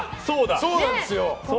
そうなんですよ！